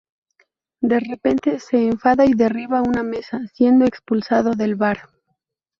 De repente, se enfada y derriba una mesa, siendo expulsado del bar.